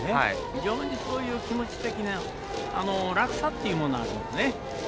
非常に、そういう気持ち的な楽さというものはあります。